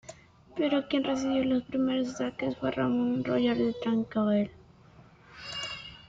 Pero quien recibió los primeros ataques fue Ramón Roger de Trencavel.